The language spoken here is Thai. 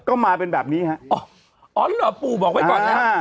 ก็มาเป็นแบบนี้ฮะอ๋ออ๋อปู่บอกไว้ก่อนแล้วอ่า